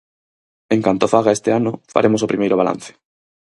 En canto faga este ano, faremos o primeiro balance.